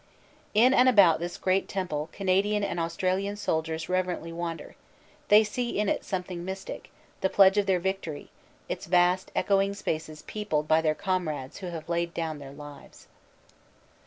In and about this great temple Canadian and Australian soldiers reverently wander; they see in it something mystic, the pledge of their victory, its vast echoing spaces peopled by their comrades who have laid down their lives.